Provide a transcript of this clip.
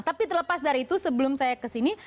tapi terlepas dari itu sebelum saya kesini